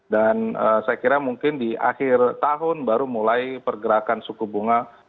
dan saya kira mungkin di akhir tahun baru mulai pergerakan suku bunga